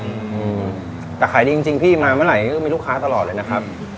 อืมแต่ขายดีจริงจริงพี่มาเมื่อไหร่ก็มีลูกค้าตลอดเลยนะครับ